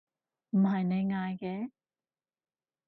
唔係你嗌嘅？